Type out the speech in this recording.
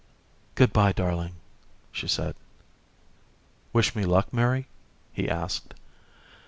"Good by, darling," she said. "Wish me luck, Mary?" he asked.